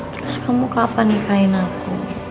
terus kamu kapan nikahin aku